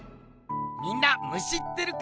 みんなムシってるかい？